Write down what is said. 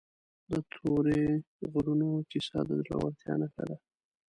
د تورې غرونو کیسه د زړورتیا نښه ده.